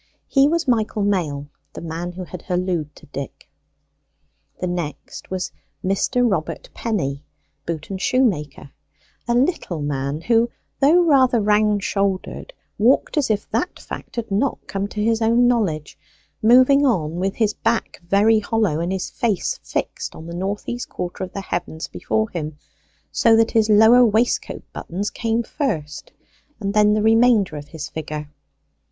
He was Michael Mail, the man who had hallooed to Dick. The next was Mr. Robert Penny, boot and shoemaker; a little man, who, though rather round shouldered, walked as if that fact had not come to his own knowledge, moving on with his back very hollow and his face fixed on the north east quarter of the heavens before him, so that his lower waist coat buttons came first, and then the remainder of his figure.